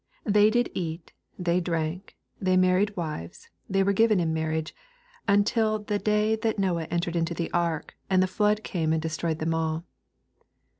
27 They did eat, they drank, they married wives, they were given in marriage, until the day that Noe en tered into the ark, and the flood came and destroyed them ail.